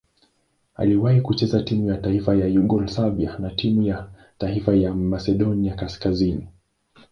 Aliwahi kucheza timu ya taifa ya Yugoslavia na timu ya taifa ya Masedonia Kaskazini.